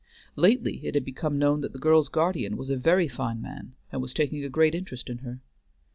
Lately it had become known that the girl's guardian was a very fine man and was taking a great interest in her.